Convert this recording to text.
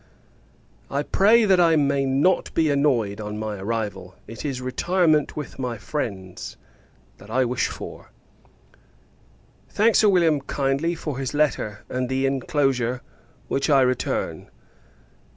I pray that I may not be annoyed, on my arrival: it is retirement with my friends, that I wish for. Thank Sir William, kindly, for his letter; and the inclosure, which I return.